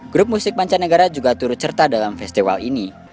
tetapi juga dari musisi musisi yang mencerta dalam festival ini